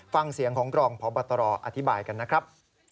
ฟังเสียงของกรองพบตรอธิบายกันนะครับ